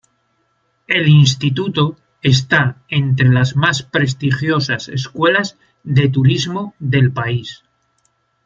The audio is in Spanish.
El instituto está entre las más prestigiosas escuelas de turismo del país.